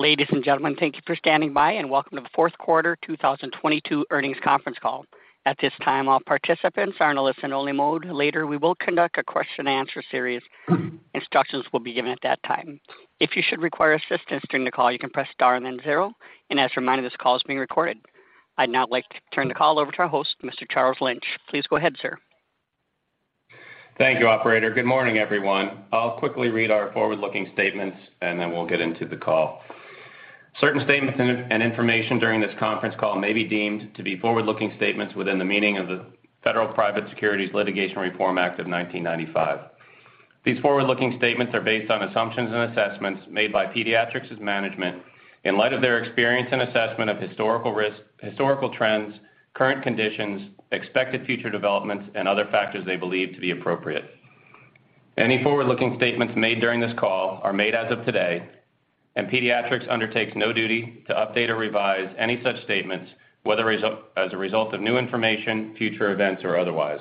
Ladies and gentlemen, thank you for standing by, and welcome to the fourth quarter 2022 earnings conference call. At this time, all participants are in a listen-only mode. Later, we will conduct a question and answer series. Instructions will be given at that time. If you should require assistance during the call, you can press star and then zero. As a reminder, this call is being recorded. I'd now like to turn the call over to our host, Mr. Charles Lynch. Please go ahead, sir. Thank you, operator. Good morning, everyone. I'll quickly read our forward-looking statements, and then we'll get into the call. Certain statements and information during this conference call may be deemed to be forward-looking statements within the meaning of the Federal Private Securities Litigation Reform Act of 1995. These forward-looking statements are based on assumptions and assessments made by Pediatrix' management in light of their experience and assessment of historical risk, historical trends, current conditions, expected future developments, and other factors they believe to be appropriate. Any forward-looking statements made during this call are made as of today, and Pediatrix undertakes no duty to update or revise any such statements, whether as a result of new information, future events, or otherwise.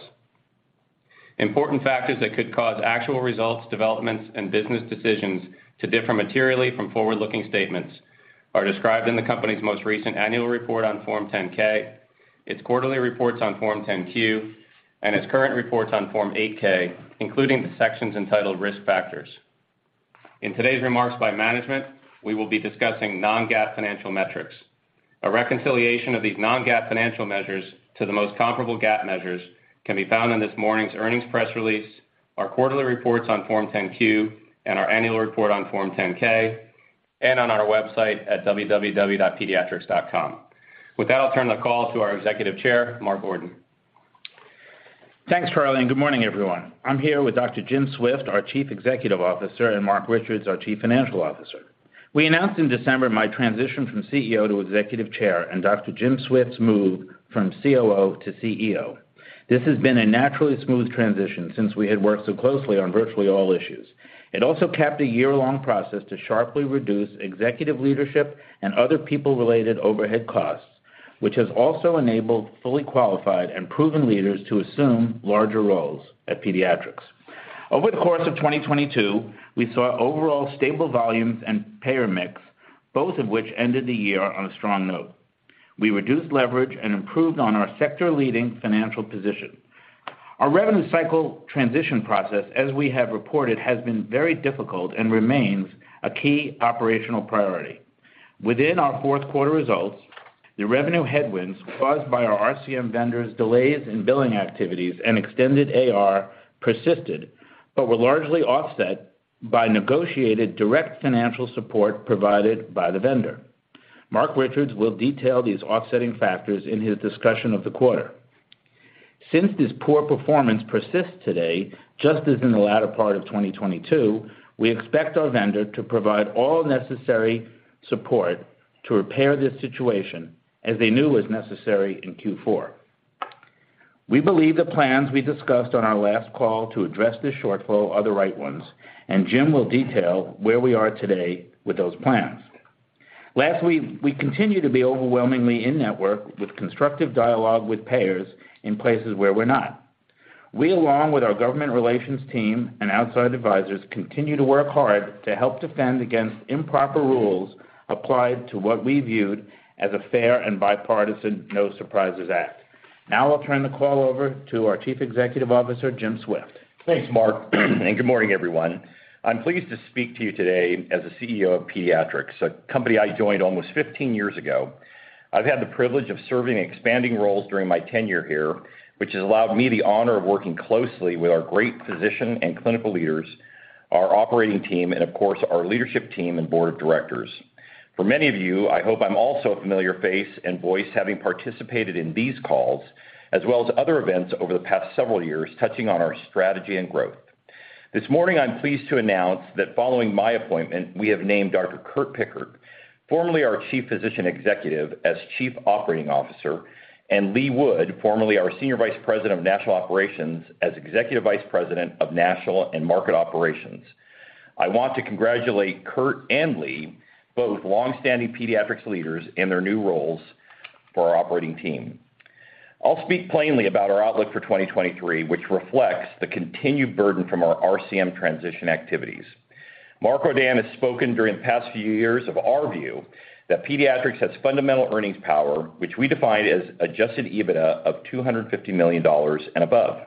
Important factors that could cause actual results, developments, and business decisions to differ materially from forward-looking statements are described in the company's most recent annual report on Form 10-K, its quarterly reports on Form 10-Q, and its current reports on Form 8-K, including the sections entitled Risk Factors. In today's remarks by management, we will be discussing non-GAAP financial metrics. A reconciliation of these non-GAAP financial measures to the most comparable GAAP measures can be found in this morning's earnings press release, our quarterly reports on Form 10-Q and our annual report on Form 10-K, and on our website at www.pediatrix.com. With that, I'll turn the call to our Executive Chair, Mark Ordan. Thanks, Charlie. Good morning, everyone. I'm here with Dr. Jim Swift, our Chief Executive Officer, and Marc Richards, our Chief Financial Officer. We announced in December my transition from CEO to Executive Chair and Dr. Jim Swift's move from COO to CEO. This has been a naturally smooth transition since we had worked so closely on virtually all issues. It also capped a year-long process to sharply reduce executive leadership and other people-related overhead costs, which has also enabled fully qualified and proven leaders to assume larger roles at Pediatrix. Over the course of 2022, we saw overall stable volumes and payor mix, both of which ended the year on a strong note. We reduced leverage and improved on our sector-leading financial position. Our revenue cycle transition process, as we have reported, has been very difficult and remains a key operational priority. Within our fourth quarter results, the revenue headwinds caused by our RCM vendors' delays in billing activities and extended AR persisted but were largely offset by negotiated direct financial support provided by the vendor. Marc Richards will detail these offsetting factors in his discussion of the quarter. This poor performance persists today, just as in the latter part of 2022, we expect our vendor to provide all necessary support to repair this situation as they knew was necessary in Q4. We believe the plans we discussed on our last call to address this shortfall are the right ones, and Jim will detail where we are today with those plans. Last week, we continued to be overwhelmingly in-network with constructive dialogue with payors in places where we're not. We along with our government relations team and outside advisors continue to work hard to help defend against improper rules applied to what we viewed as a fair and bipartisan No Surprises Act. I'll turn the call over to our Chief Executive Officer, Jim Swift. Thanks, Mark, good morning, everyone. I'm pleased to speak to you today as the CEO of Pediatrix, a company I joined almost 15 years ago. I've had the privilege of serving expanding roles during my tenure here, which has allowed me the honor of working closely with our great physician and clinical leaders, our operating team, and of course, our leadership team and board of directors. For many of you, I hope I'm also a familiar face and voice, having participated in these calls as well as other events over the past several years, touching on our strategy and growth. This morning, I'm pleased to announce that following my appointment, we have named Dr. Curt Pickert, formerly our Chief Physician Executive, as Chief Operating Officer, and Lee Wood, formerly our Senior Vice President of National Operations, as Executive Vice President of National and Market Operations. I want to congratulate Curt and Lee, both long-standing Pediatrix leaders, in their new roles for our operating team. I'll speak plainly about our outlook for 2023, which reflects the continued burden from our RCM transition activities. Mark Ordan has spoken during the past few years of our view that Pediatrix has fundamental earnings power, which we define as adjusted EBITDA of $250 million and above.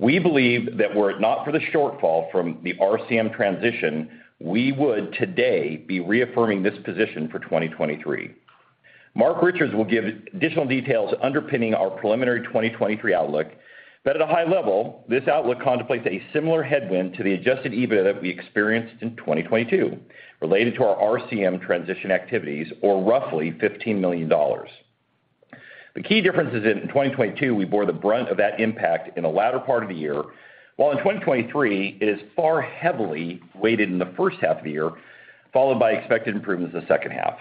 We believe that were it not for the shortfall from the RCM transition, we would today be reaffirming this position for 2023. Marc Richards will give additional details underpinning our preliminary 2023 outlook. At a high level, this outlook contemplates a similar headwind to the adjusted EBITDA that we experienced in 2022 related to our RCM transition activities, or roughly $15 million. The key difference is in 2022, we bore the brunt of that impact in the latter part of the year, while in 2023, it is far heavily weighted in the first half of the year, followed by expected improvements in the second half.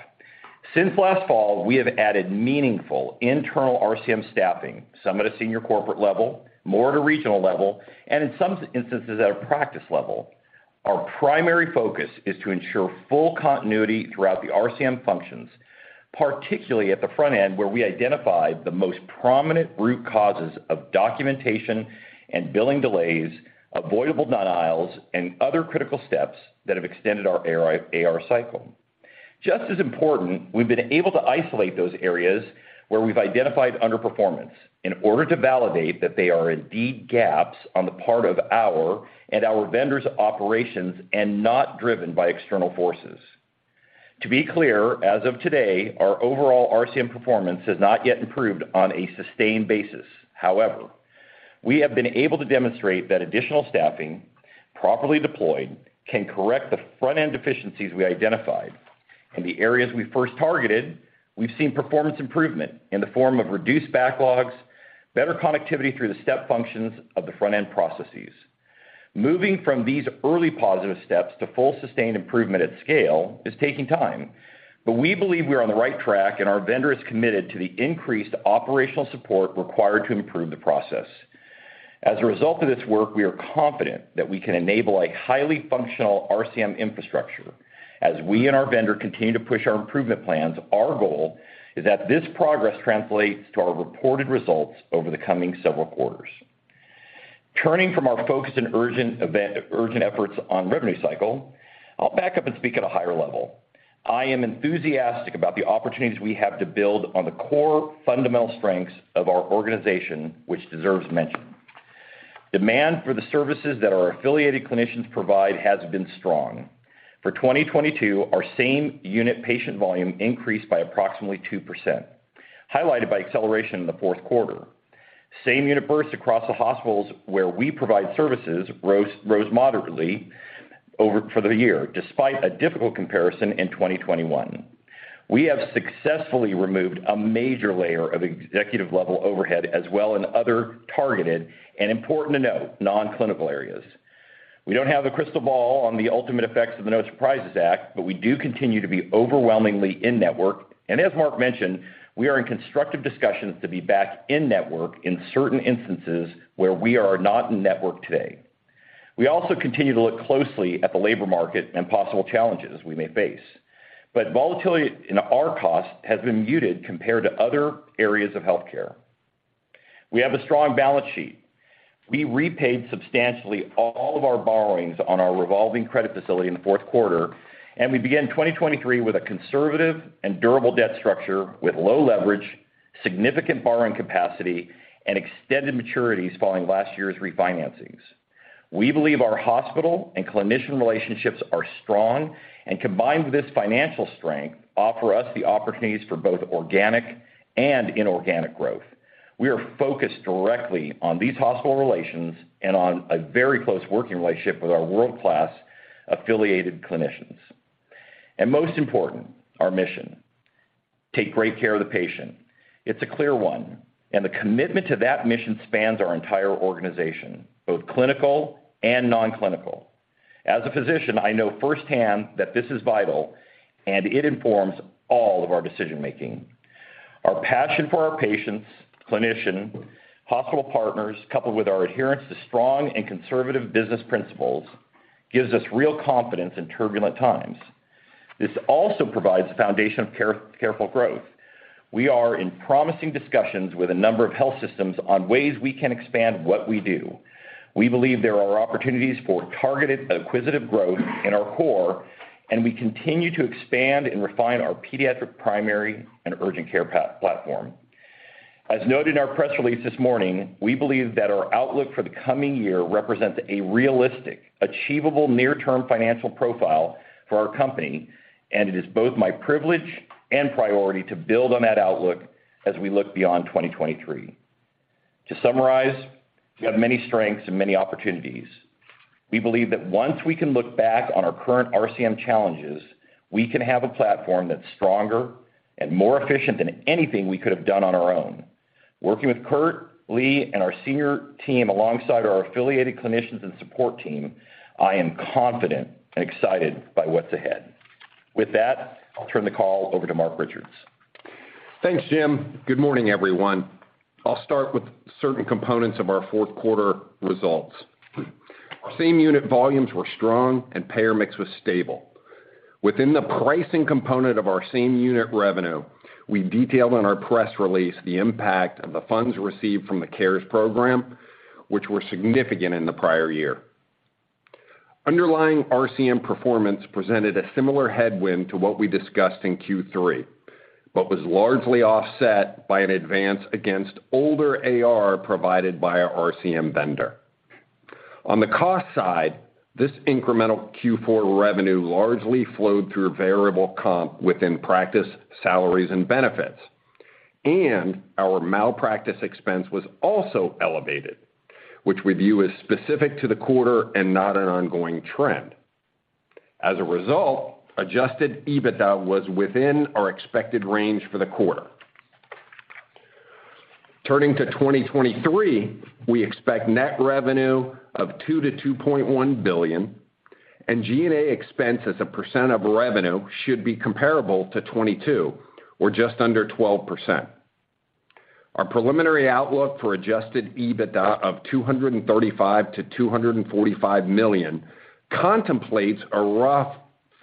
Since last fall, we have added meaningful internal RCM staffing, some at a senior corporate level, more at a regional level, and in some instances, at a practice level. Our primary focus is to ensure full continuity throughout the RCM functions, particularly at the front end, where we identified the most prominent root causes of documentation and billing delays, avoidable denials, and other critical steps that have extended our AR cycle. Just as important, we've been able to isolate those areas where we've identified underperformance in order to validate that they are indeed gaps on the part of our and our vendors' operations, and not driven by external forces. To be clear, as of today, our overall RCM performance has not yet improved on a sustained basis. However, we have been able to demonstrate that additional staffing, properly deployed, can correct the front-end deficiencies we identified. In the areas we first targeted, we've seen performance improvement in the form of reduced backlogs, better connectivity through the step functions of the front-end processes. Moving from these early positive steps to full sustained improvement at scale is taking time. We believe we are on the right track. Our vendor is committed to the increased operational support required to improve the process. A result of this work, we are confident that we can enable a highly functional RCM infrastructure. We and our vendor continue to push our improvement plans, our goal is that this progress translates to our reported results over the coming several quarters. Turning from our focus and urgent efforts on revenue cycle, I'll back up and speak at a higher level. I am enthusiastic about the opportunities we have to build on the core fundamental strengths of our organization, which deserves mention. Demand for the services that our affiliated clinicians provide has been strong. For 2022, our same-unit patient volume increased by approximately 2%, highlighted by acceleration in the fourth quarter. Same-unit births across the hospitals where we provide services rose moderately for the year, despite a difficult comparison in 2021. We have successfully removed a major layer of executive-level overhead, as well in other targeted and important to note, non-clinical areas. We don't have a crystal ball on the ultimate effects of the No Surprises Act, we do continue to be overwhelmingly in-network. As Mark mentioned, we are in constructive discussions to be back in-network in certain instances where we are not in-network today. We also continue to look closely at the labor market and possible challenges we may face. Volatility in our costs has been muted compared to other areas of healthcare. We have a strong balance sheet. We repaid substantially all of our borrowings on our revolving credit facility in the fourth quarter, we began 2023 with a conservative and durable debt structure with low leverage, significant borrowing capacity, and extended maturities following last year's refinancings. We believe our hospital and clinician relationships are strong and, combined with this financial strength, offer us the opportunities for both organic and inorganic growth. We are focused directly on these hospital relations and on a very close working relationship with our world-class affiliated clinicians. Most important, our mission: Take great care of the patient. It's a clear one. The commitment to that mission spans our entire organization, both clinical and non-clinical. As a physician, I know firsthand that this is vital. It informs all of our decision-making. Our passion for our patients, clinician, hospital partners, coupled with our adherence to strong and conservative business principles, gives us real confidence in turbulent times. This also provides a foundation of care, careful growth. We are in promising discussions with a number of health systems on ways we can expand what we do. We believe there are opportunities for targeted acquisitive growth in our core, we continue to expand and refine our pediatric primary and urgent care platform. As noted in our press release this morning, we believe that our outlook for the coming year represents a realistic, achievable near-term financial profile for our company, it is both my privilege and priority to build on that outlook as we look beyond 2023. To summarize, we have many strengths and many opportunities. We believe that once we can look back on our current RCM challenges, we can have a platform that's stronger and more efficient than anything we could have done on our own. Working with Curt, Lee, and our senior team alongside our affiliated clinicians and support team, I am confident and excited by what's ahead. With that, I'll turn the call over to Marc Richards. Thanks, Jim. Good morning, everyone. I'll start with certain components of our fourth quarter results. Our same unit volumes were strong and payor mix was stable. Within the pricing component of our same-unit revenue, we detailed in our press release the impact of the funds received from the CARES program, which were significant in the prior year. Underlying RCM performance presented a similar headwind to what we discussed in Q3, but was largely offset by an advance against older AR provided by our RCM vendor. On the cost side, this incremental Q4 revenue largely flowed through variable comp within practice salaries and benefits, and our malpractice expense was also elevated, which we view as specific to the quarter and not an ongoing trend. As a result, adjusted EBITDA was within our expected range for the quarter. Turning to 2023, we expect net revenue of $2 billion-$2.1 billion. G&A expense as a percent of revenue should be comparable to 2022 or just under 12%. Our preliminary outlook for adjusted EBITDA of $235 million-$245 million contemplates a rough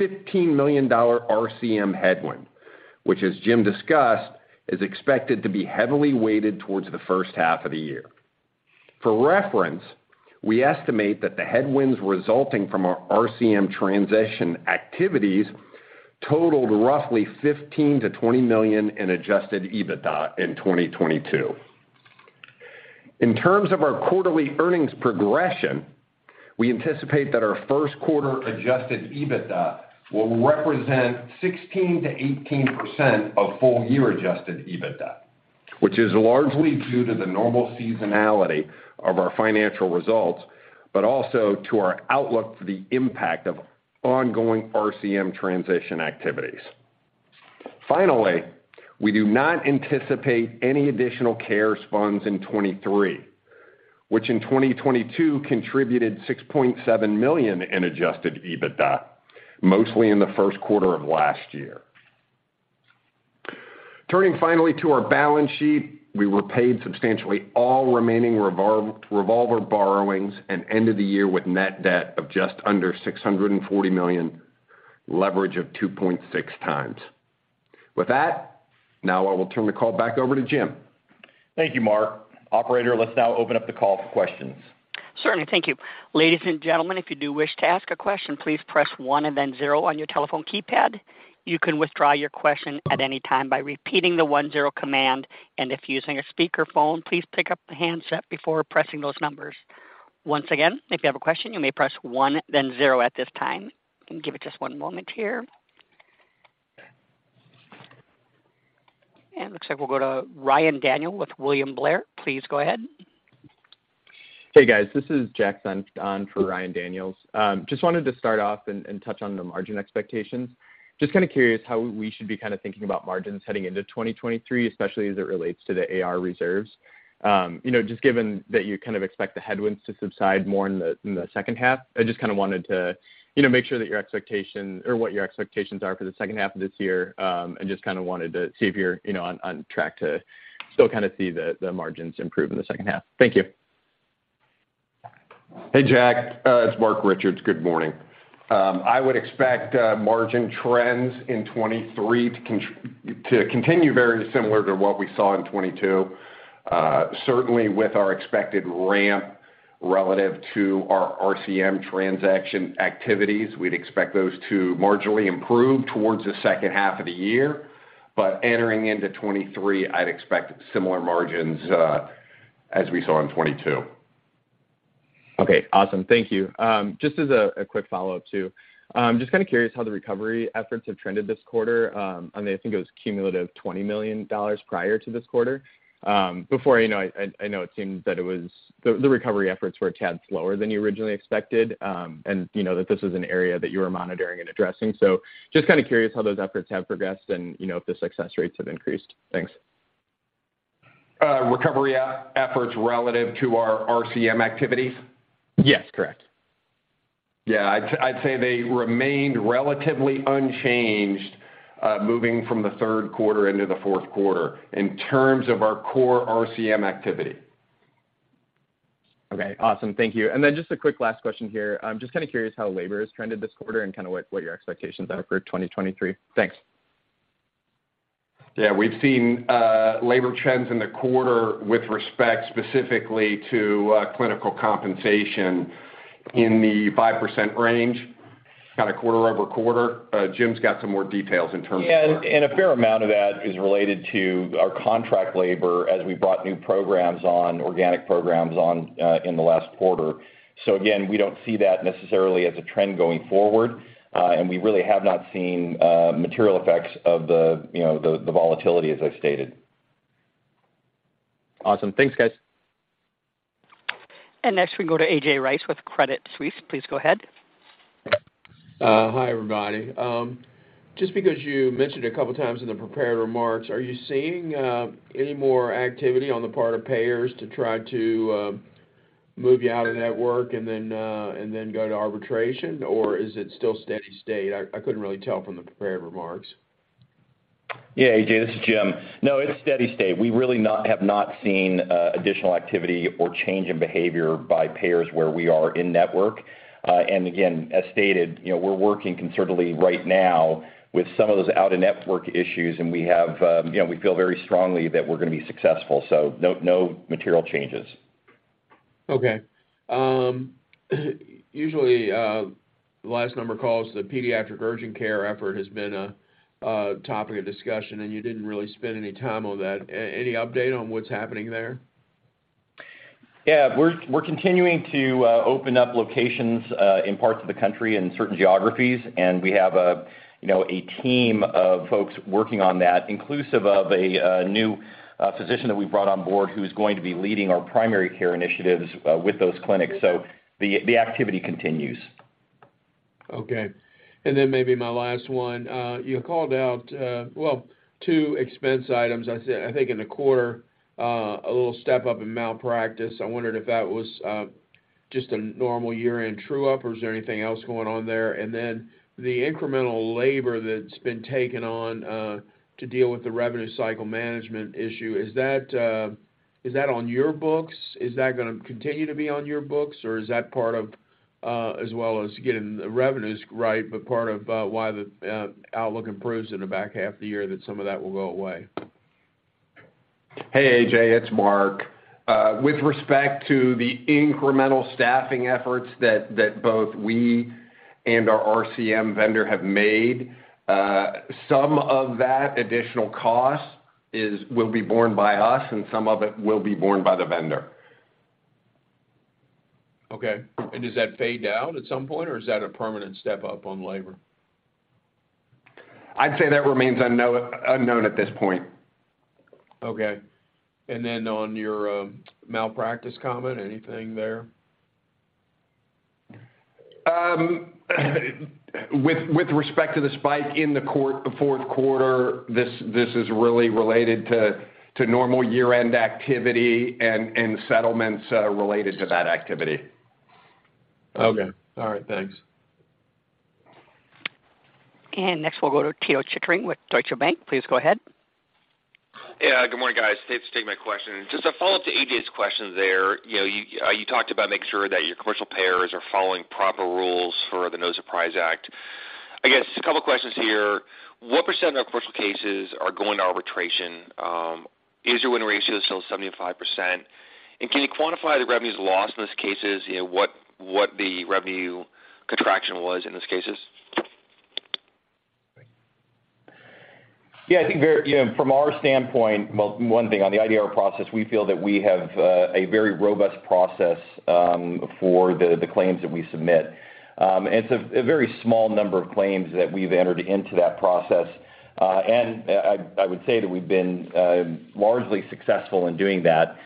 $15 million RCM headwind, which as Jim discussed, is expected to be heavily weighted towards the first half of the year. For reference, we estimate that the headwinds resulting from our RCM transition activities totaled roughly $15 million-$20 million in adjusted EBITDA in 2022. In terms of our quarterly earnings progression, we anticipate that our first quarter adjusted EBITDA will represent 16%-18% of full year adjusted EBITDA, which is largely due to the normal seasonality of our financial results, but also to our outlook for the impact of ongoing RCM transition activities. Finally, we do not anticipate any additional CARES funds in 2023, which in 2022 contributed $6.7 million in adjusted EBITDA, mostly in the first quarter of last year. Turning finally to our balance sheet, we repaid substantially all remaining revolver borrowings and ended the year with net debt of just under $640 million, leverage of 2.6x. With that, now I will turn the call back over to Jim. Thank you, Marc. Operator, let's now open up the call for questions. Certainly. Thank you. Ladies and gentlemen, if you do wish to ask a question, please press one and then zero on your telephone keypad. You can withdraw your question at any time by repeating the one-zero command, and if using a speaker phone, please pick up the handset before pressing those numbers. Once again, if you have a question, you may press one then zero at this time. Let me give it just 1 moment here. Looks like we'll go to Ryan Daniels with William Blair. Please go ahead. Hey, guys. This is Jack Senft on for Ryan Daniels. Just wanted to start off and touch on the margin expectations. Just kind of curious how we should be kind of thinking about margins heading into 2023, especially as it relates to the AR reserves. You know, just given that you kind of expect the headwinds to subside more in the second half, I just kind of wanted to, you know, make sure that your expectations or what your expectations are for the second half of this year, and just kind of wanted to see if you're, you know, on track to still kind of see the margins improve in the second half. Thank you. Hey, Jack. It's Marc Richards. Good morning. I would expect margin trends in 2023 to continue very similar to what we saw in 2022. Certainly with our expected ramp relative to our RCM transaction activities, we'd expect those to marginally improve towards the second half of the year. Entering into 2023, I'd expect similar margins as we saw in 2022. Okay. Awesome. Thank you. Just as a quick follow-up too. Just kinda curious how the recovery efforts have trended this quarter. I mean, I think it was cumulative $20 million prior to this quarter. Before, you know, I know it seemed that it was the recovery efforts were a tad slower than you originally expected, and you know that this is an area that you were monitoring and addressing. Just kinda curious how those efforts have progressed and, you know, if the success rates have increased. Thanks. Recovery efforts relative to our RCM activities? Yes, correct. Yeah. I'd say they remained relatively unchanged, moving from the third quarter into the fourth quarter in terms of our core RCM activity. Okay. Awesome. Thank you. Just a quick last question here. I'm just kinda curious how labor has trended this quarter and kinda what your expectations are for 2023. Thanks. Yeah. We've seen, labor trends in the quarter with respect specifically to, clinical compensation in the 5% range, kind of quarter-over-quarter. Jim's got some more details in terms of A fair amount of that is related to our contract labor as we brought new programs on, organic programs on, in the last quarter. Again, we don't see that necessarily as a trend going forward, and we really have not seen material effects of the, you know, the volatility as I stated. Awesome. Thanks, guys. Next we go to A.J. Rice with Credit Suisse. Please go ahead. Hi, everybody. Just because you mentioned a couple of times in the prepared remarks, are you seeing any more activity on the part of payors to try to move you out-of-network and then go to arbitration, or is it still steady state? I couldn't really tell from the prepared remarks. Yeah, A.J., this is Jim. No, it's steady state. We really have not seen additional activity or change in behavior by payors where we are in-network. Again, as stated, you know, we're working concertedly right now with some of those out-of-network issues, and we have, you know, we feel very strongly that we're gonna be successful. No, no material changes. Okay. Usually, the last number of calls, the pediatric urgent care effort has been a topic of discussion, and you didn't really spend any time on that. Any update on what's happening there? Yeah. We're continuing to open up locations in parts of the country in certain geographies, and we have a, you know, a team of folks working on that, inclusive of a new physician that we brought on board who's going to be leading our primary care initiatives with those clinics. The activity continues. Okay. Then maybe my last one. You called out, well, two expense items. I said I think in the quarter, a little step up in malpractice. I wondered if that was just a normal year-end true up, or is there anything else going on there? Then the incremental labor that's been taken on to deal with the revenue cycle management issue, is that is that on your books? Is that gonna continue to be on your books, or is that part of, as well as getting the revenues right, but part of, why the outlook improves in the back half of the year that some of that will go away? Hey, A.J., it's Marc. With respect to the incremental staffing efforts that both we and our RCM vendor have made, some of that additional cost will be borne by us and some of it will be borne by the vendor. Okay. Does that fade out at some point, or is that a permanent step up on labor? I'd say that remains unknown at this point. Okay. Then on your malpractice comment, anything there? With respect to the spike in the fourth quarter, this is really related to normal year-end activity and settlements related to that activity. Okay. All right. Thanks. Next, we'll go to Pito Chickering with Deutsche Bank. Please go ahead. Yeah. Good morning, guys. Thanks for taking my question. Just a follow-up to A.J.'s question there. You know, you talked about making sure that your commercial payors are following proper rules for the No Surprises Act. I guess a couple of questions here. What percent of commercial cases are going to arbitration? Is your win ratio still 75%? Can you quantify the revenues lost in those cases? You know, what the revenue contraction was in those cases? Yeah, I think you know, from our standpoint. Well, one thing on the IDR process, we feel that we have a very robust process for the claims that we submit. It's a very small number of claims that we've entered into that process. I would say that we've been largely successful in doing that.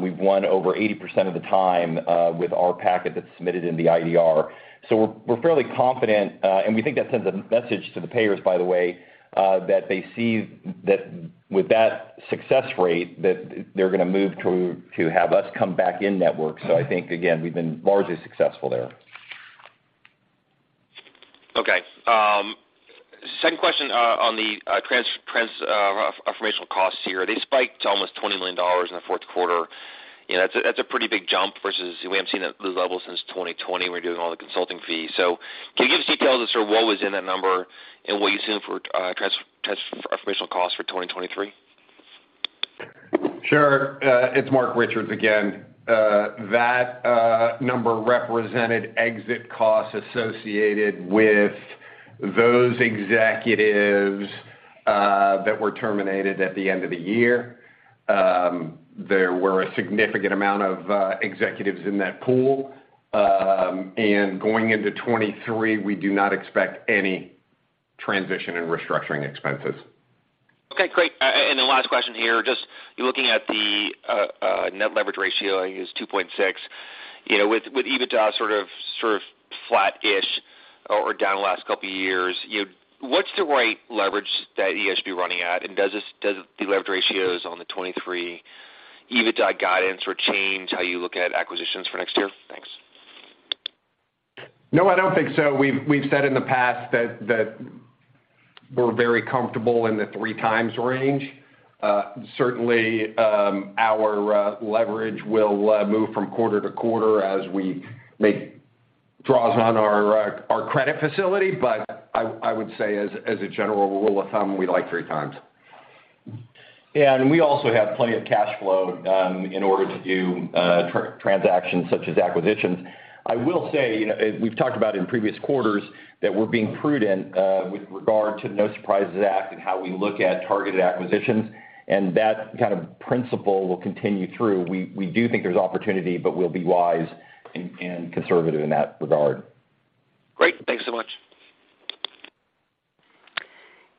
We've won over 80% of the time with our packet that's submitted in the IDR. We're fairly confident, and we think that sends a message to the payors, by the way, that they see that with that success rate, that they're gonna move to have us come back in-network. I think, again, we've been largely successful there. Second question, on the transactional costs here. They spiked to almost $20 million in the fourth quarter. You know, that's a pretty big jump versus we haven't seen those levels since 2020. We're doing all the consulting fees. Can you give us details of sort of what was in that number and what you assume for transactional costs for 2023? Sure. It's Marc Richards again. That number represented exit costs associated with those executives that were terminated at the end of the year. There were a significant amount of executives in that pool. Going into 2023, we do not expect any transition and restructuring expenses. Okay, great. The last question here, just you're looking at the net leverage ratio, I guess 2.6x. You know, with EBITDA flat-ish or down the last couple of years, you know, what's the right leverage it should be running at? Does the leverage ratios on the 2023 EBITDA guidance or change how you look at acquisitions for next year? Thanks. No, I don't think so. We've said in the past that we're very comfortable in the 3x range. Certainly, our leverage will move from quarter to quarter as we make draws on our credit facility. I would say as a general rule of thumb, we like 3x. Yeah, and we also have plenty of cash flow in order to do transactions such as acquisitions. I will say, you know, we've talked about in previous quarters that we're being prudent with regard to No Surprises Act and how we look at targeted acquisitions, and that kind of principle will continue through. We do think there's opportunity, but we'll be wise and conservative in that regard. Great. Thank you so much.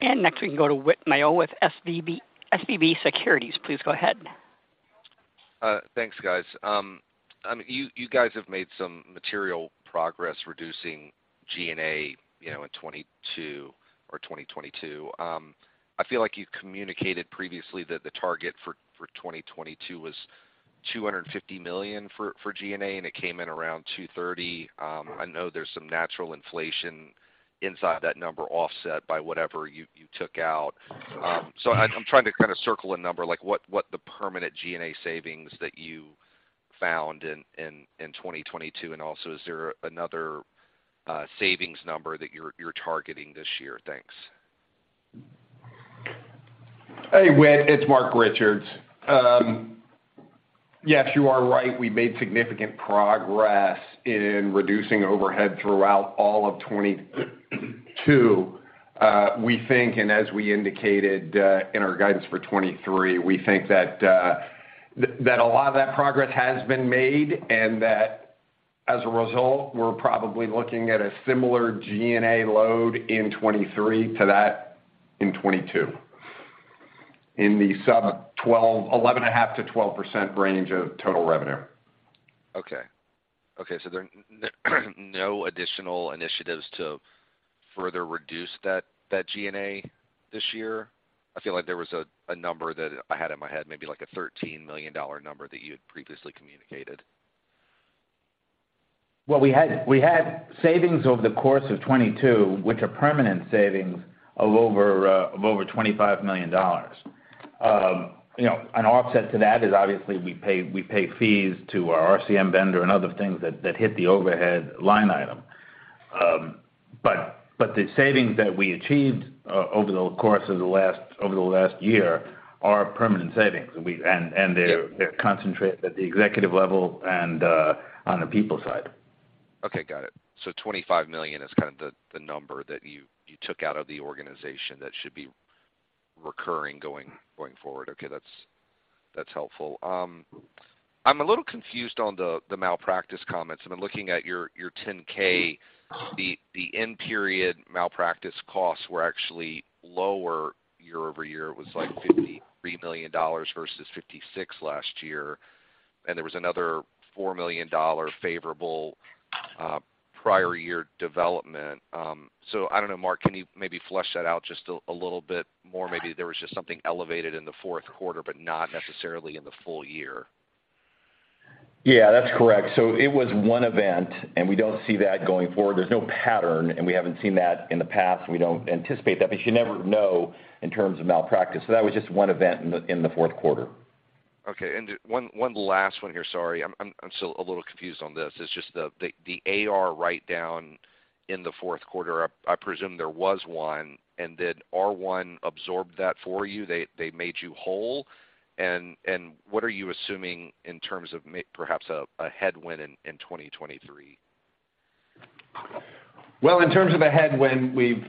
Next, we can go to Whit Mayo with SVB Securities. Please go ahead. Thanks, guys. You guys have made some material progress reducing G&A, you know, in 2022 or 2022. I feel like you've communicated previously that the target for 2022 was $250 million for G&A, and it came in around $230 million. I know there's some natural inflation inside that number offset by whatever you took out. So I'm trying to kind of circle a number like what the permanent G&A savings that you found in 2022. Is there another savings number that you're targeting this year? Thanks. Hey, Whit, it's Marc Richards. Yes, you are right, we made significant progress in reducing overhead throughout all of 2022. We think and as we indicated, in our guidance for 2023, we think that a lot of that progress has been made and that as a result, we're probably looking at a similar G&A load in 2023 to that in 2022. In the 11.5%-12% range of total revenue. Okay. There are no additional initiatives to further reduce that G&A this year? I feel like there was a number that I had in my head, maybe like a $13 million number that you had previously communicated. We had savings over the course of 2022, which are permanent savings of over $25 million. You know, an offset to that is obviously we pay fees to our RCM vendor and other things that hit the overhead line item. But the savings that we achieved over the course of the last year are permanent savings. They're concentrated at the executive level and on the people side. Got it. $25 million is kind of the number that you took out of the organization that should be recurring going forward. That's helpful. I'm a little confused on the malpractice comments. I've been looking at your 10-K. The end period malpractice costs were actually lower year-over-year. It was like $53 million versus $56 million last year, and there was another $4 million favorable prior year development. I don't know, Marc, can you maybe flesh that out just a little bit more? Maybe there was just something elevated in the fourth quarter but not necessarily in the full year. That's correct. It was one event, and we don't see that going forward. There's no pattern, and we haven't seen that in the past, and we don't anticipate that, but you never know in terms of malpractice. That was just one event in the fourth quarter. Okay. One last one here. Sorry. I'm still a little confused on this. It's just the AR write down in the fourth quarter. I presume there was one. Did R1 absorb that for you? They made you whole? What are you assuming in terms of perhaps a headwind in 2023? In terms of a headwind, we've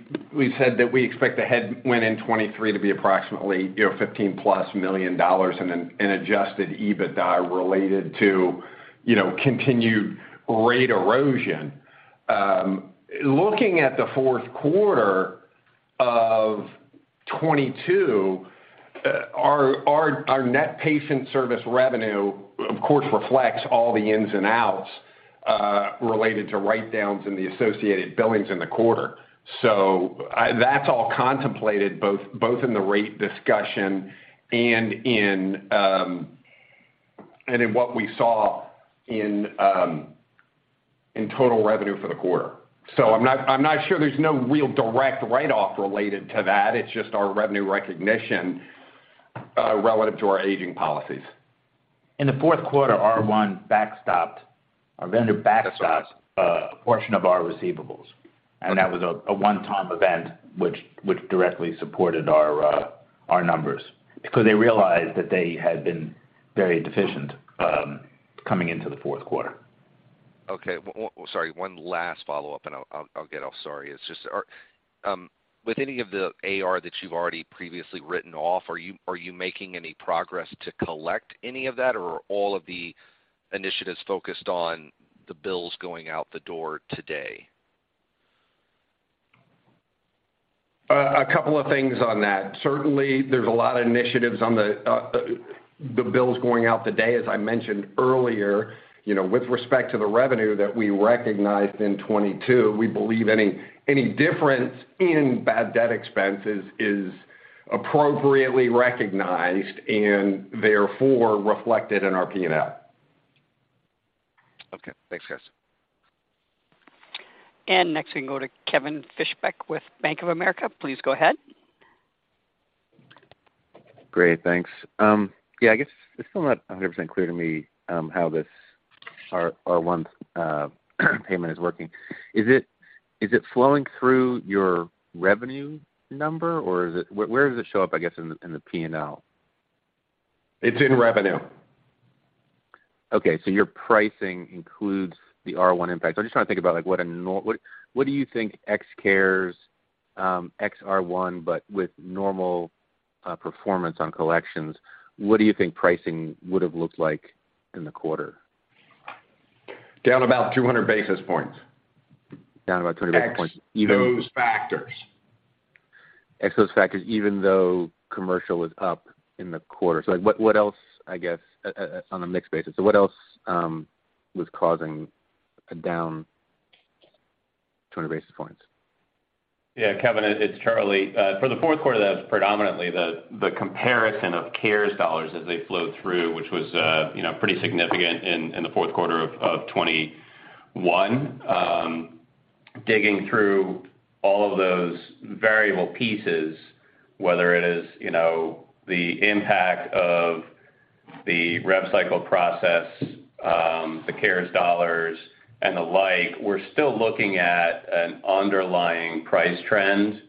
said that we expect a headwind in 2023 to be approximately, you know, $15+ million in an adjusted EBITDA related to, you know, continued rate erosion. Looking at the fourth quarter of 2022, our net patient service revenue, of course, reflects all the ins and outs related to write-downs in the associated billings in the quarter. That's all contemplated both in the rate discussion and in what we saw in total revenue for the quarter. I'm not sure there's no real direct write-off related to that. It's just our revenue recognition relative to our aging policies. In the fourth quarter, R1 backstopped. Our vendor backstopped a portion of our receivables, and that was a one-time event which directly supported our numbers because they realized that they had been very deficient, coming into the fourth quarter. Okay. Sorry, one last follow-up. I'll get off. Sorry. It's just. With any of the AR that you've already previously written off, are you making any progress to collect any of that, or all of the initiatives focused on the bills going out the door today? A couple of things on that. Certainly, there's a lot of initiatives on the bills going out today. As I mentioned earlier, you know, with respect to the revenue that we recognized in 22, we believe any difference in bad debt expenses is appropriately recognized and therefore reflected in our P&L. Okay. Thanks, guys. Next we can go to Kevin Fischbeck with Bank of America. Please go ahead. Great. Thanks. yeah, I guess it's still not 100% clear to me, how this R1 payment is working. Is it flowing through your revenue number? Where does it show up, I guess, in the P&L? It's in revenue. Your pricing includes the R1 impact. I'm just trying to think about like what do you think ex cares, ex R1, but with normal performance on collections, what do you think pricing would have looked like in the quarter? Down about 200 basis points. Down about 200 basis points. Ex those factors. Ex those factors, even though commercial was up in the quarter. Like what else, I guess, on a mixed basis? What else was causing a down 200 basis points? Yeah, Kevin Fischbeck, it's Charles Lynch. For the fourth quarter, that's predominantly the comparison of CARES Act dollars as they flowed through, which was, you know, pretty significant in the fourth quarter of 2021. Digging through all of those variable pieces, whether it is, you know, the impact of the rev cycle process, the CARES Act dollars and the like, we're still looking at an underlying price trend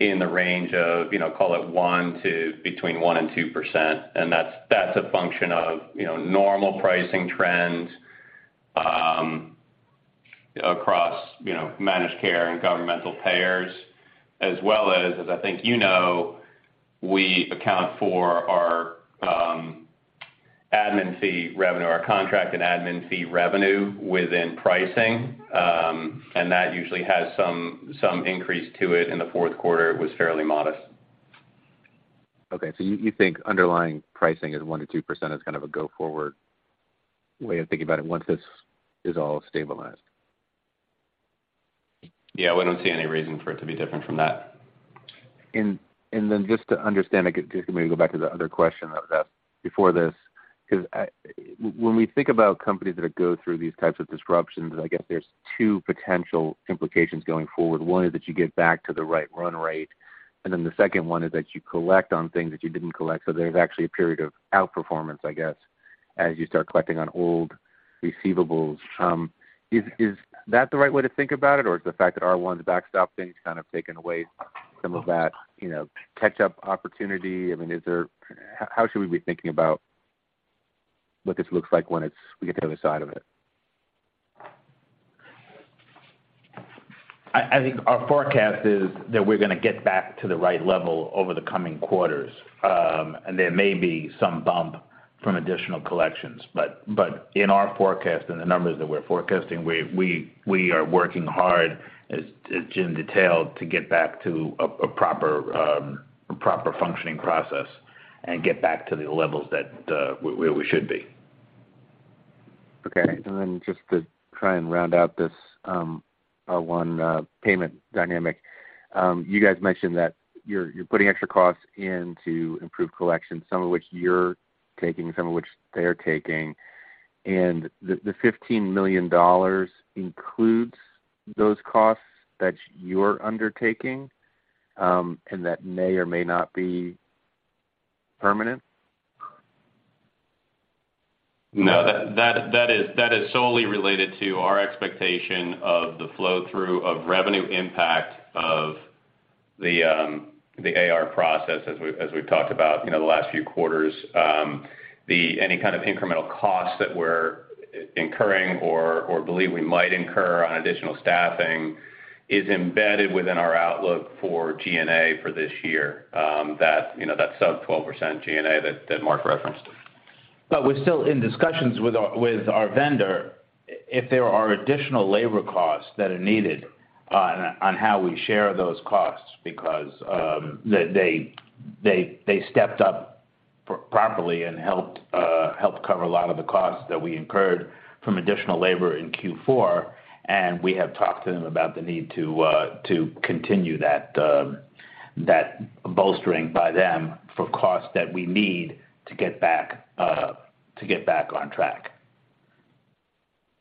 in the range of, you know, call it 1% to between 1% and 2%. That's a function of, you know, normal pricing trends, across, you know, managed care and governmental payors as well as I think you know, we account for our admin fee revenue, our contract and admin fee revenue within pricing. That usually has some increase to it. In the fourth quarter, it was fairly modest. Okay. you think underlying pricing at 1%-2% is kind of a go forward way of thinking about it once this is all stabilized? Yeah. We don't see any reason for it to be different from that. Just to understand, I just maybe go back to the other question that was asked before this, because when we think about companies that go through these types of disruptions, I guess there's two potential implications going forward. One is that you get back to the right run rate. Then the second one is that you collect on things that you didn't collect, so there's actually a period of outperformance, I guess, as you start collecting on old receivables. Is that the right way to think about it, or is the fact that R1's backstop things kind of taken away some of that, you know, catch up opportunity? I mean, is there? How should we be thinking about what this looks like when it's, we get to the other side of it? I think our forecast is that we're gonna get back to the right level over the coming quarters. There may be some bump from additional collections. In our forecast and the numbers that we're forecasting, we are working hard, as Jim detailed, to get back to a proper functioning process and get back to the levels that where we should be. Okay. Just to try and round out this, R1, payment dynamic, you guys mentioned that you're putting extra costs in to improve collection, some of which you're taking, some of which they're taking, and the $15 million includes those costs that you're undertaking, and that may or may not be permanent? No, that is solely related to our expectation of the flow through of revenue impact of the AR process as we've talked about, you know, the last few quarters. The any kind of incremental costs that we're incurring or believe we might incur on additional staffing is embedded within our outlook for G&A for this year. That, you know, that sub 12% G&A that Marc referenced. We're still in discussions with our vendor if there are additional labor costs that are needed on how we share those costs because they stepped up properly and helped cover a lot of the costs that we incurred from additional labor in Q4, and we have talked to them about the need to continue that bolstering by them for costs that we need to get back on track.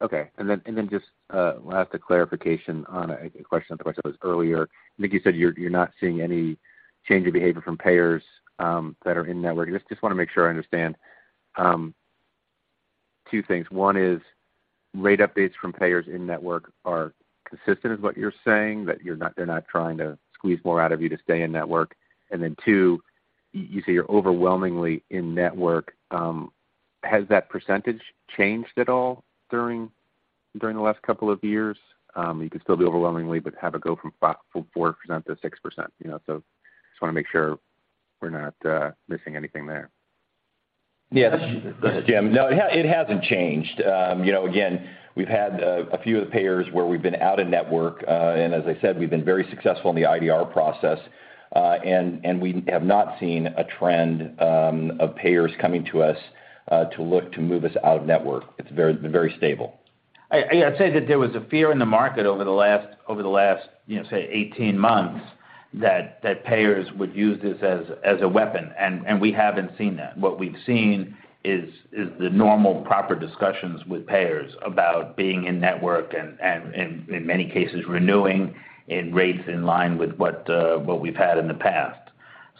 Okay. Then just last clarification on a question, the question that was earlier. I think you said you're not seeing any change of behavior from payors that are in-network. Just wanna make sure I understand two things. One is rate updates from payors in-network are consistent, is what you're saying, that they're not trying to squeeze more out of you to stay in-network. Two, you say you're overwhelmingly in-network. Has that percentage changed at all during the last couple of years? You could still be overwhelmingly, but have it go from 4% to 6%, you know, so just wanna make sure we're not missing anything there. Yes. Go ahead, Jim. No, it hasn't changed. You know, again, we've had a few of the payors where we've been out-of-network, and as I said, we've been very successful in the IDR process. We have not seen a trend of payors coming to us to look to move us out-of-network. It's been very stable. I'd say that there was a fear in the market over the last, you know, say 18 months that payors would use this as a weapon, and we haven't seen that. What we've seen is the normal proper discussions with payors about being in-network and in many cases renewing in rates in line with what we've had in the past.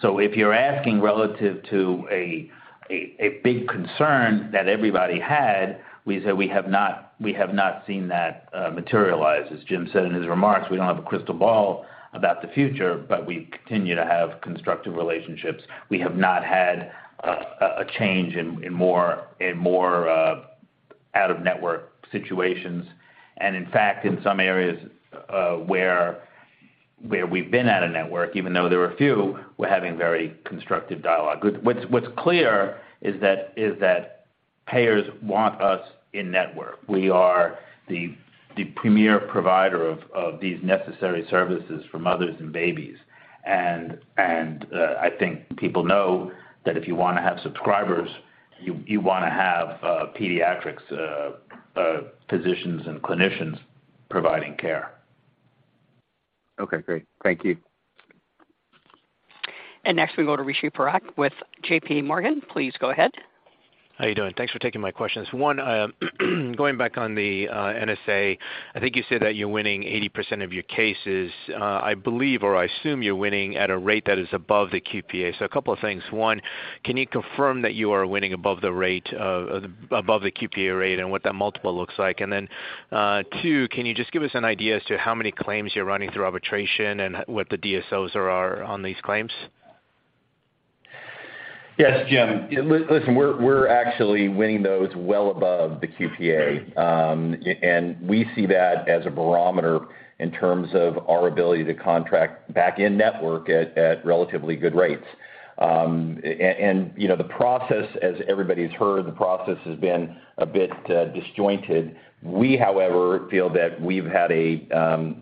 If you're asking relative to a big concern that everybody had, we say we have not seen that materialize. As Jim said in his remarks, we don't have a crystal ball about the future, but we continue to have constructive relationships. We have not had a change in more out-of-network situations. In fact, in some areas, where we've been out-of-network, even though there are few, we're having very constructive dialogue. What's clear is that payors want us in-network. We are the premier provider of these necessary services for mothers and babies. I think people know that if you wanna have subscribers, you wanna have Pediatrix physicians and clinicians providing care. Okay, great. Thank you. Next, we go to Rishi Parekh with JPMorgan. Please go ahead. How are you doing? Thanks for taking my questions. One, going back on the NSA, I think you said that you're winning 80% of your cases. I believe, or I assume you're winning at a rate that is above the QPA. A couple of things. One, can you confirm that you are winning above the rate of above the QPA rate and what that multiple looks like? Two, can you just give us an idea as to how many claims you're running through arbitration and what the DSOs are on these claims? Yes, Jim. listen, we're actually winning those well above the QPA, and we see that as a barometer in terms of our ability to contract back in-network at relatively good rates. And, you know, the process, as everybody's heard, the process has been a bit disjointed. We, however, feel that we've had a,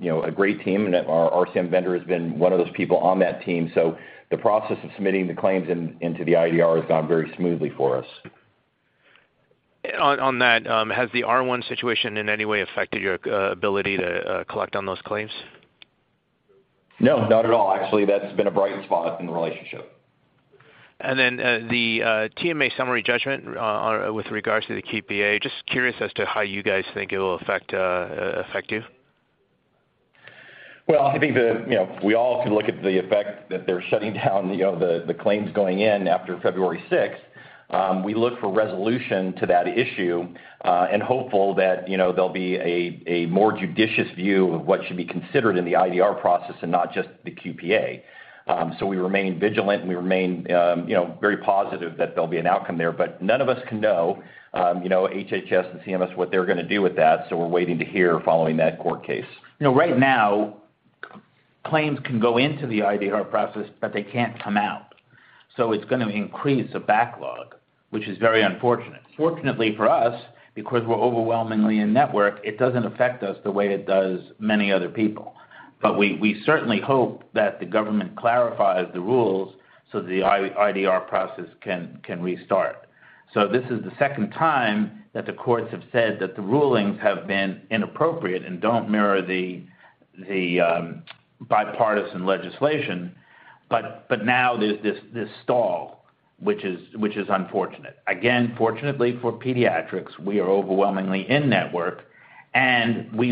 you know, a great team, and our RCM vendor has been one of those people on that team. The process of submitting the claims into the IDR has gone very smoothly for us. On, on that, has the R1 situation in any way affected your ability to collect on those claims? No, not at all. Actually, that's been a bright spot in the relationship. The TMA summary judgment with regards to the QPA, just curious as to how you guys think it will affect you? I think the, you know, we all can look at the effect that they're shutting down, you know, the claims going in after February 6th. We look for resolution to that issue, and hopeful that, you know, there'll be a more judicious view of what should be considered in the IDR process and not just the QPA. We remain vigilant, and we remain, you know, very positive that there'll be an outcome there. None of us can know, you know, HHS and CMS what they're gonna do with that, so we're waiting to hear following that court case. You know, right now claims can go into the IDR process, but they can't come out, so it's gonna increase the backlog, which is very unfortunate. Fortunately for us, because we're overwhelmingly in-network, it doesn't affect us the way it does many other people. We certainly hope that the government clarifies the rules so the IDR process can restart. This is the second time that the courts have said that the rulings have been inappropriate and don't mirror the bipartisan legislation. Now there's this stall, which is unfortunate. Again, fortunately for Pediatrix, we are overwhelmingly in-network, and we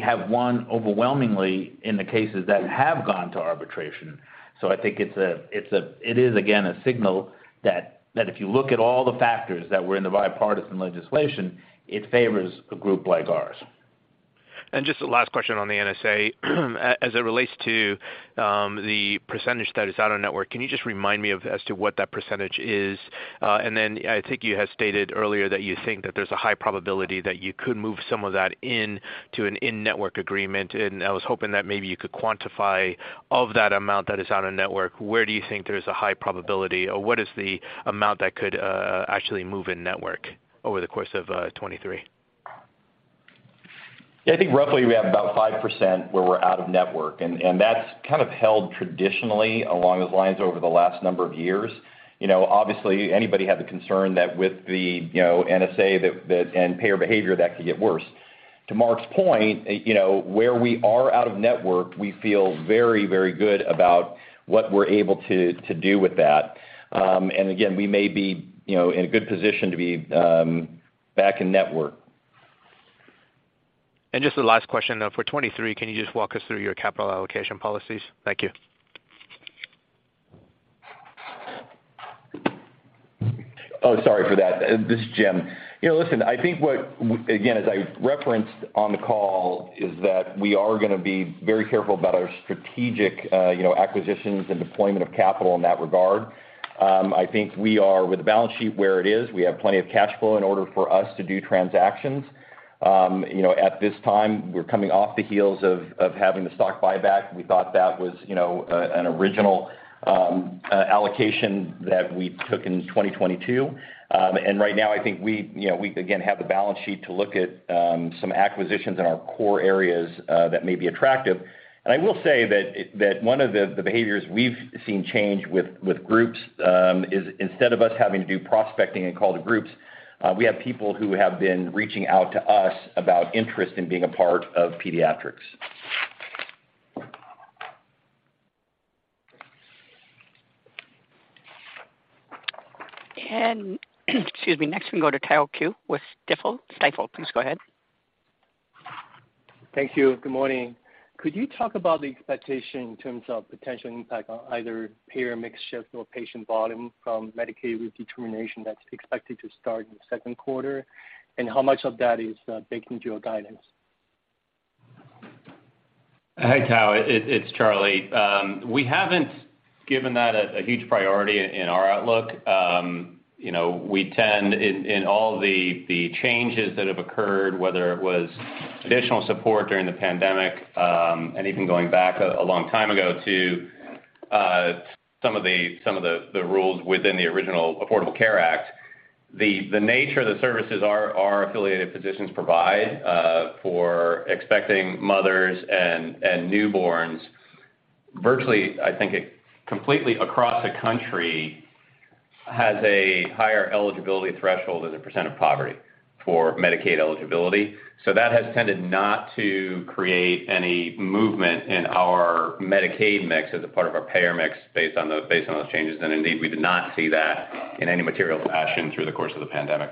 have won overwhelmingly in the cases that have gone to arbitration. I think it is, again, a signal that if you look at all the factors that were in the bipartisan legislation, it favors a group like ours. Just a last question on the NSA. As it relates to the % that is out-of-network, can you just remind me of as to what that % is? Then I think you had stated earlier that you think that there's a high probability that you could move some of that in to an in-network agreement. I was hoping that maybe you could quantify of that amount that is out-of-network, where do you think there's a high probability? Or what is the amount that could actually move in-network over the course of 2023? Yeah, I think roughly we have about 5% where we're out-of-network, and that's kind of held traditionally along those lines over the last number of years. You know, obviously anybody had the concern that with the, you know, NSA that and payor behavior, that could get worse. To Mark's point, you know, where we are out-of-network, we feel very, very good about what we're able to do with that. Again, we may be, you know, in a good position to be, back in-network. Just the last question, though, for 2023, can you just walk us through your capital allocation policies? Thank you. Sorry for that. This is Jim. You know, listen, I think what again, as I referenced on the call, is that we are gonna be very careful about our strategic, you know, acquisitions and deployment of capital in that regard. I think we are with the balance sheet where it is. We have plenty of cash flow in order for us to do transactions. You know, at this time, we're coming off the heels of having the stock buyback. We thought that was, you know, an original allocation that we took in 2022. Right now, I think we, you know, we again have the balance sheet to look at some acquisitions in our core areas, that may be attractive. I will say that one of the behaviors we've seen change with groups is instead of us having to do prospecting and call the groups, we have people who have been reaching out to us about interest in being a part of Pediatrix. Excuse me. Next, we go to Tao Qiu with Stifel. Tao, please go ahead. Thank you. Good morning. Could you talk about the expectation in terms of potential impact on either payor mix shift or patient volume from Medicaid redetermination that's expected to start in the second quarter, and how much of that is baked into your guidance? Hey, Tao. It's Charlie. We haven't given that a huge priority in our outlook. You know, we tend in all the changes that have occurred, whether it was additional support during the pandemic, and even going back a long time ago to some of the rules within the original Affordable Care Act. The nature of the services our affiliated physicians provide for expecting mothers and newborns, virtually, I think, completely across the country, has a higher eligibility threshold as a % of poverty for Medicaid eligibility. That has tended not to create any movement in our Medicaid mix as a part of our payor mix based on those changes. Indeed, we did not see that in any material fashion through the course of the pandemic.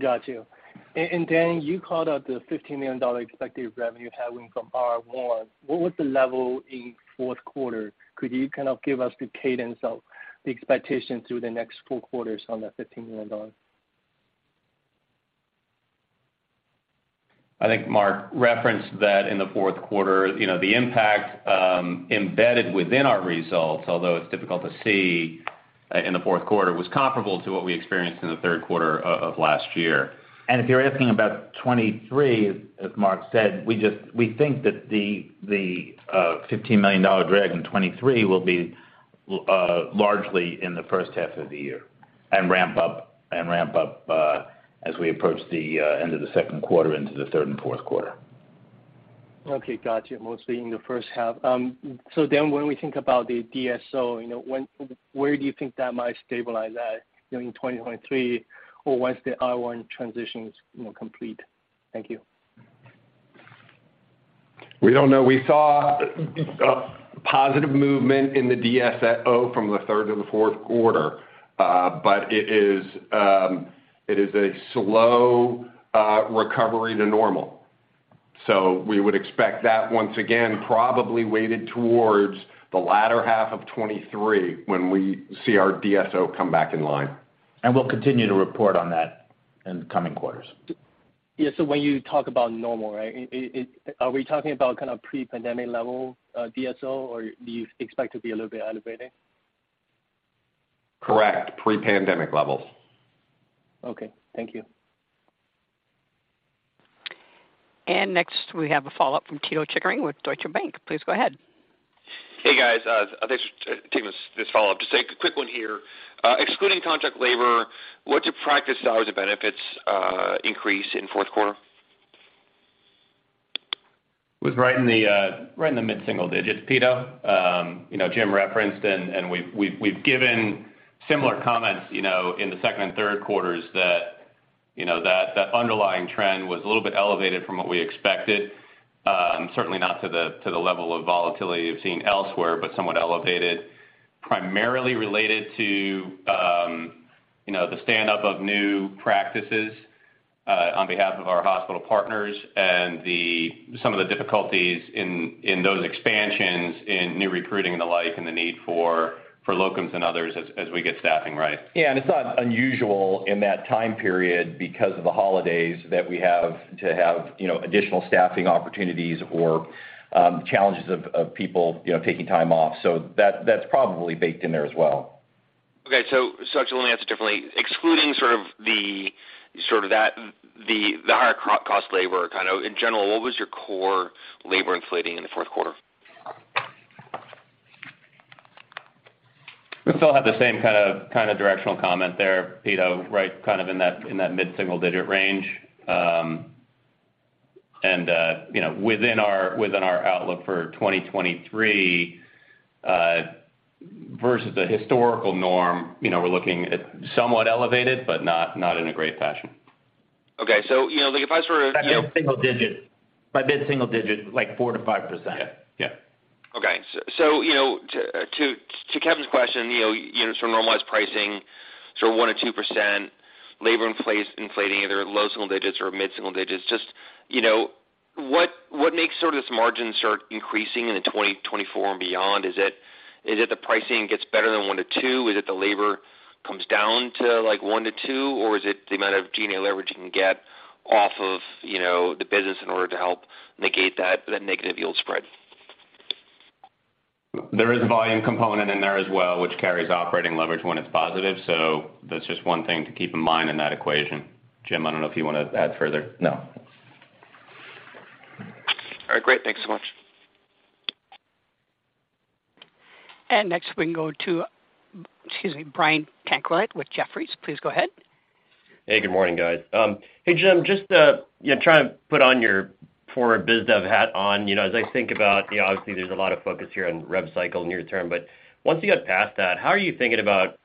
Got you. Then, you called out the $15 million expected revenue headwind from R1. What was the level in fourth quarter? Could you kind of give us the cadence of the expectation through the next four quarters on that $15 million? I think Marc referenced that in the fourth quarter. You know, the impact, embedded within our results, although it's difficult to see, in the fourth quarter, was comparable to what we experienced in the third quarter of last year. If you're asking about 2023, as Marc said, we think that the $15 million drag in 2023 will be largely in the first half of the year and ramp up as we approach the end of the second quarter into the third and fourth quarter. Okay, gotcha. Mostly in the first half. When we think about the DSO, you know, where do you think that might stabilize at during in 2023, or once the R1 transition is, you know, complete? Thank you. We don't know. We saw positive movement in the DSO from the third to the fourth quarter. It is a slow recovery to normal. We would expect that once again, probably weighted towards the latter half of 2023 when we see our DSO come back in line. we'll continue to report on that in the coming quarters. Yeah. When you talk about normal, right, are we talking about kind of pre-pandemic level, DSO, or do you expect to be a little bit elevated? Correct. Pre-pandemic levels. Okay, thank you. Next, we have a follow-up from Pito Chickering with Deutsche Bank. Please go ahead. Hey, guys. Thanks for taking this follow-up. Just a quick one here. Excluding contract labor, what's your practice dollars and benefits, increase in fourth quarter? It was right in the right in the mid-single digits, Pito. You know, Jim referenced and we've given similar comments, you know, in the second and third quarters that, you know, that the underlying trend was a little bit elevated from what we expected. Certainly not to the level of volatility you've seen elsewhere, but somewhat elevated, primarily related to, you know, the stand-up of new practices on behalf of our hospital partners and some of the difficulties in those expansions in new recruiting and the like, and the need for locums and others as we get staffing right. Yeah. It's not unusual in that time period because of the holidays that we have to have, you know, additional staffing opportunities or challenges of people, you know, taking time off. That, that's probably baked in there as well. Okay. actually let me ask it differently. Excluding sort of that, the higher contract labor kind of in general, what was your core labor inflating in the fourth quarter? We still have the same kind of directional comment there, Pito, right? Kind of in that mid-single-digit range. You know, within our outlook for 2023 versus the historical norm, you know, we're looking at somewhat elevated, but not in a great fashion. Okay. you know, like if I were, you know. By mid-single digit. By mid-single digit, like 4%-5%. Yeah. Yeah. Okay. You know, to Kevin's question, you know, units from normalized pricing, sort of 1%-2%, labor inflating either low single digits or mid-single digits. You know, what makes sort of this margin start increasing into 2024 and beyond? Is it the pricing gets better than 1%-2%? Is it the labor comes down to like 1%-2%, or is it the amount of general leverage you can get off of, you know, the business in order to help negate that negative yield spread? There is a volume component in there as well, which carries operating leverage when it's positive. That's just one thing to keep in mind in that equation. Jim, I don't know if you wanna add further. No. All right, great. Thanks so much. Next we can go to, excuse me, Brian Kinstlinger with Jefferies. Please go ahead. Good morning, guys. Jim, just, you know, trying to put on your former biz dev hat on, you know, as I think about, you know, obviously there's a lot of focus here on rev cycle near term, but once you get past that, how are you thinking about,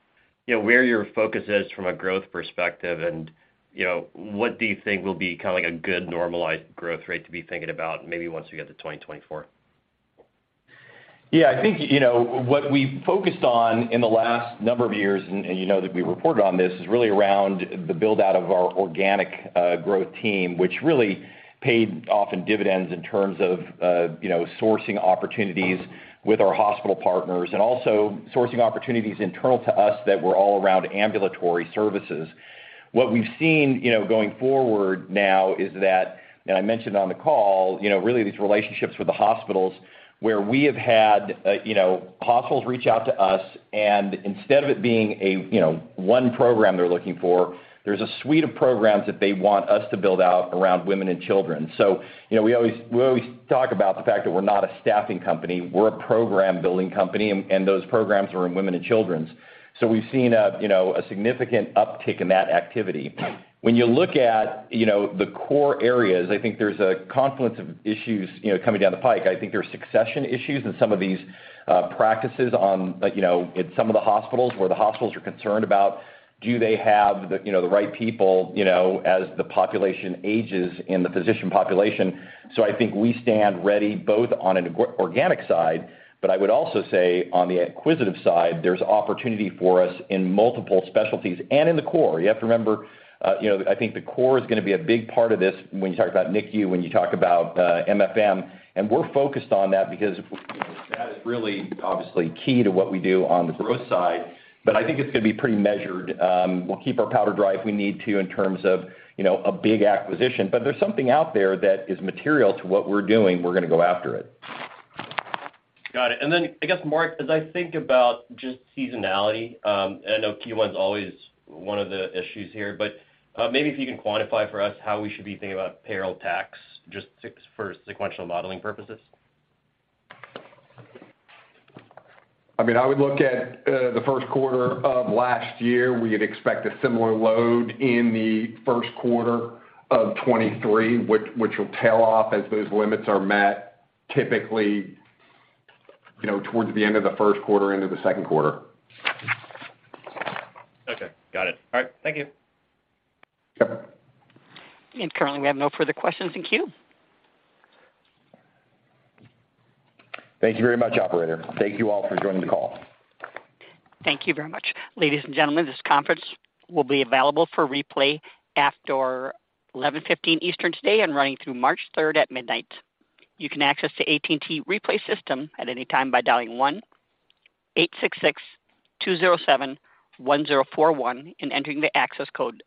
you know, where your focus is from a growth perspective and, you know, what do you think will be kinda like a good normalized growth rate to be thinking about maybe once we get to 2024? I think, you know, what we focused on in the last number of years, and you know that we reported on this, is really around the build-out of our organic growth team, which really paid off in dividends in terms of, you know, sourcing opportunities with our hospital partners and also sourcing opportunities internal to us that were all around ambulatory services. What we've seen, you know, going forward now is that, and I mentioned on the call, you know, really these relationships with the hospitals where we have had, you know, hospitals reach out to us, and instead of it being a, you know, one program they're looking for, there's a suite of programs that they want us to build out around women and children. You know, we always talk about the fact that we're not a staffing company, we're a program building company, and those programs are in women and children's. We've seen a, you know, a significant uptick in that activity. When you look at, you know, the core areas, I think there's a confluence of issues, you know, coming down the pike. I think there are succession issues in some of these practices on, like, you know, in some of the hospitals, where the hospitals are concerned about do they have the, you know, the right people, you know, as the population ages and the physician population. I think we stand ready both on an organic side, but I would also say on the acquisitive side, there's opportunity for us in multiple specialties and in the core. You have to remember, you know, I think the core is gonna be a big part of this when you talk about NICU, when you talk about MFM, and we're focused on that because, you know, that is really obviously key to what we do on the growth side. I think it's gonna be pretty measured. We'll keep our powder dry if we need to in terms of, you know, a big acquisition. There's something out there that is material to what we're doing, we're gonna go after it. Got it. I guess, Marc, as I think about just seasonality, and I know Q1's always one of the issues here, but maybe if you can quantify for us how we should be thinking about payroll tax, just for sequential modeling purposes. I mean, I would look at the first quarter of last year. We'd expect a similar load in the first quarter of 2023, which will tail off as those limits are met typically, you know, towards the end of the first quarter into the second quarter. Okay, got it. All right, thank you. Yep. Currently, we have no further questions in queue. Thank you very much, operator. Thank you all for joining the call. Thank you very much. Ladies and gentlemen, this conference will be available for replay after 11:15 A.M. Eastern today and running through March 3rd at midnight. You can access the AT&T replay system at any time by dialing 1-866-207-1041 and entering the access code